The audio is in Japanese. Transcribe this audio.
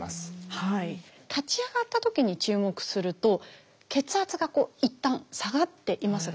立ち上がったときに注目すると血圧がいったん下がっていますがすぐに。